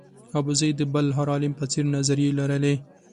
ابوزید د بل هر عالم په څېر نظریې لرلې.